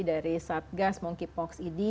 dari satgas monkeypox id